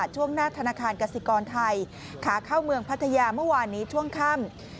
ช่วงหน้าธนาคารกสิกรไทยขาเข้าเมืองพัทยาเมื่อวานนี้ช่วงค่ำ